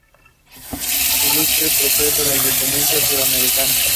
Ilustre Prócer de la Independencia Suramericana.